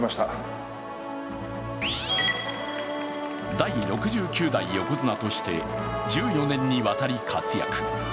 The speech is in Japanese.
第６９代横綱として１４年にわたり活躍。